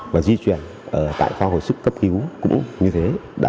và di chuyển ở tại khoa hồi sức cấp cứu cũng như thế